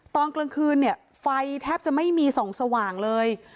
ตอนกลางคืนเนี่ยไฟแทบจะไม่มีส่องสว่างเลย